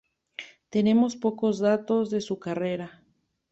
Tenemos pocos datos de su carrera.